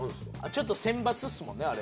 ちょっと選抜っすもんねあれ。